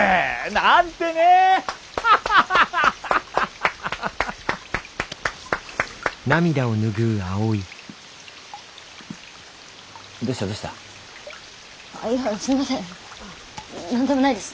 何でもないです